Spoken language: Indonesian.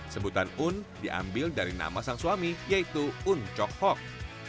sebutan un diambil dari nama sang suami yaitu un cokhok